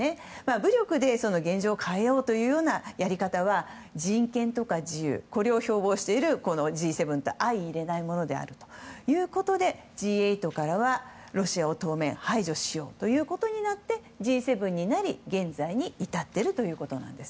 武力で現状を変えようというやり方は人権とか自由これを標榜しているＧ７と相容れないものであるということでＧ８からロシアを当面排除しようということになってＧ７になり現在に至っているということなんです。